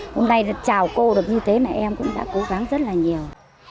hôm nay là chào cô được như thế này em cũng đã cố gắng rất là nhiều